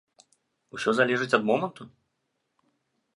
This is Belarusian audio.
Усё залежыць ад моманту?